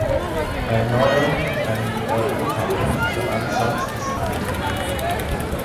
Ein neuer, ein europarechtlicher Ansatz ist notwendig.